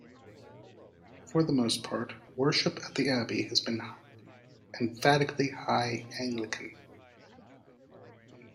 For the most part, worship at the Abbey has been emphatically High Anglican.